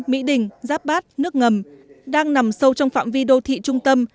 mỹ đình giáp bát nước ngầm đang nằm sâu trong phạm vi đô thị trung tâm